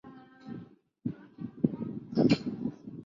我们也感同身受